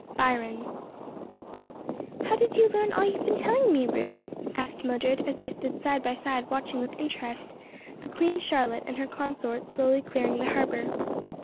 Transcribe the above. '" BYRON. "HOW did you learn all you've been telling me, Ru.?" asked Mildred as they stood side by side watching with interest the Queen Charlotte and her consorts slowly clearing the harbor.